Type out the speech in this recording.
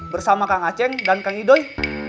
bersama kang aceh dan kang idoy